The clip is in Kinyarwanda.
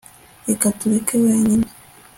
reka tureke wenyine